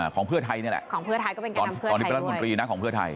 ของเพื่อไทยนี่แหละตอนนี้เป็นรัฐมนตรีนะของเพื่อไทย